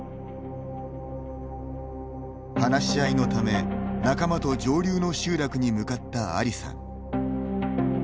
話し合いのため、仲間と上流の集落に向かったアリさん。